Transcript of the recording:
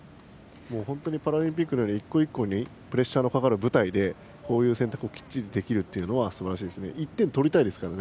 本当にパラリンピックという１個１個にプレッシャーのかかる舞台でこういう選択をできるのはすばらしいですね。